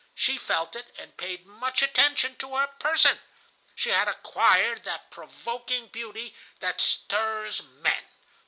She felt it, and paid much attention to her person. She had acquired that provoking beauty that stirs men.